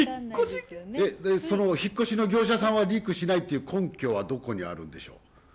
引っ越しの業者さんはリークしないという根拠はどこにあるんでしょう？